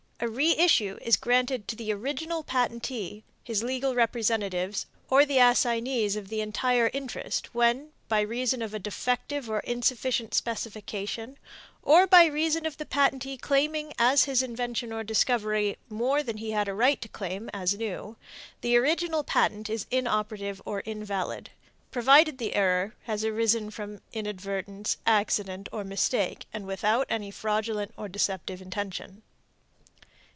A reissue is granted to the original patentee, his legal representatives, or the assignees of the entire interest, when, by reason of a defective or insufficient specification, or by reason of the patentee claiming as his invention or discovery more than he had a right to claim as new, the original patent is inoperative or invalid, provided the error has arisen from inadvertence, accident or mistake and without any fraudulent or deceptive intention.